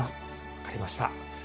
分かりました。